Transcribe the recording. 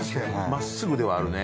まっすぐではあるね。